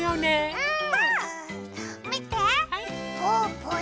うん。